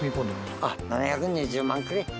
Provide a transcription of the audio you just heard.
あっ、７２０万くらい。